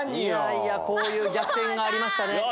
こういう逆転がありましたね。